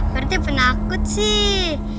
prt penakut sih